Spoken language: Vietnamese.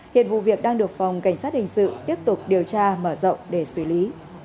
hiện vụ việc đang được phòng cảnh sát hình sự tiếp tục điều tra mở rộng để xử lý